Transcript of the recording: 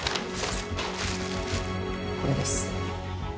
これです。